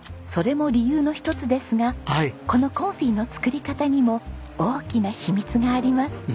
それも理由の一つですがこのコンフィの作り方にも大きな秘密があります。